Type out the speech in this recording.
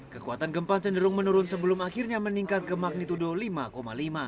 kekuatan gempa cenderung menurun sebelum akhirnya meningkat ke magnitudo lima lima